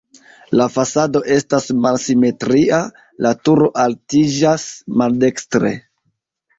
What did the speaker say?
La fasado estas malsimetria, la turo altiĝas maldekstre.